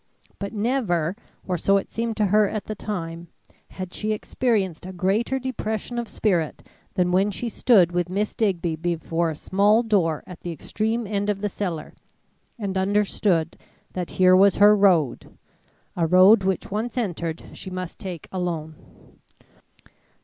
But never or so it seemed to her at the time had she experienced a greater depression of spirit than when she stood with Miss Digby before a small door at the extreme end of the cellar, and understood that here was her road a road which once entered, she must take alone.